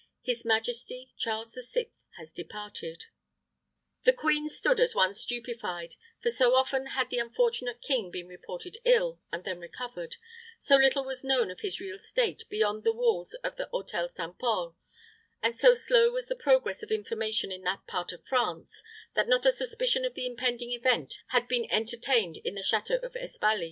His majesty, Charles the Sixth, has departed." The queen stood as one stupefied; for so often had the unfortunate king been reported ill, and then recovered, so little was known of his real state beyond the walls of the Hôtel St. Pol, and so slow was the progress of information in that part of France, that not a suspicion of the impending event had been entertained in the château of Espaly.